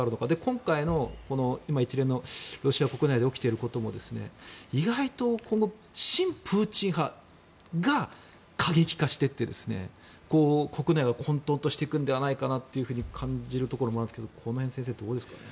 今回の今、一連のロシア国内で起きていることも意外と、親プーチン派が過激化していって国内が混とんとしていくのではないかなと感じるところもあるんですけどこの辺、先生はどうですかね？